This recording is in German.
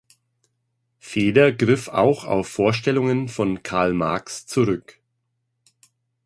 Feder griff auch auf Vorstellungen von Karl Marx zurück.